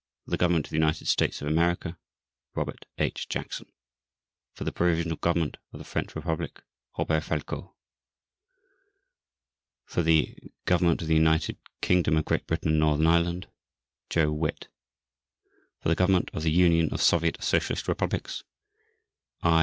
For the Government of the United States of America /s/ ROBERT H. JACKSON For the Provisional Government of the French Republic /s/ ROBERT FALCO For the Government of the United Kingdom of Great Britain and Northern Ireland /s/ JOWITT For the Government of the Union of Soviet Socialist Republics /s/ I.